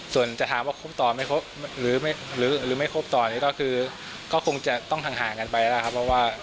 ส่วนจะถามว่าครบต่อหรือไม่ครบต่อก็คงจะต้องทังห่างกันไปนะครับ